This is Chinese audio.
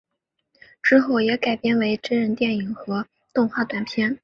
之后也改编为真人电影和动画短片。